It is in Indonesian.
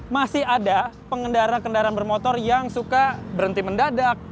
masih ada pengendara kendaraan bermotor yang suka berhenti mendadak